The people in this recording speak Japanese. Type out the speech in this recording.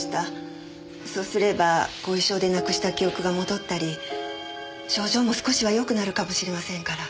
そうすれば後遺症でなくした記憶が戻ったり症状も少しはよくなるかもしれませんから。